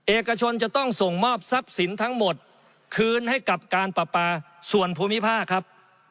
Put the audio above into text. เอกชนจะต้องส่งมอบทรัพย์สินทั้งหมดคืนให้กับการปราปาส่วนภูมิภาคครับ